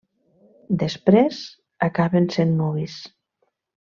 Després, acaben sent nuvis.